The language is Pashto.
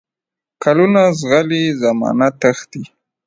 کلونه زغلي، زمانه تښتي